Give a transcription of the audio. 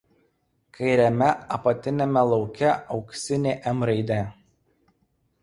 Kairiame apatiniame lauke auksinė „M“ raidė.